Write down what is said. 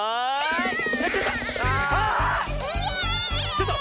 ちょっと！